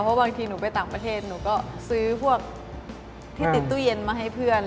เพราะบางทีหนูไปต่างประเทศหนูก็ซื้อพวกที่ติดตู้เย็นมาให้เพื่อน